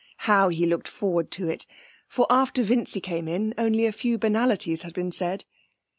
How he looked forward to it! For after Vincy came in only a few banalities had been said.